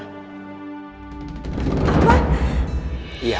iya ginjal gavind cocok dengan ginjal pau